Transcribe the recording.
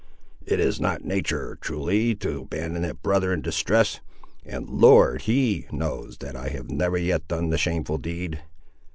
It is not natur', truly, to abandon a brother in distress; and the Lord He knows that I have never yet done the shameful deed.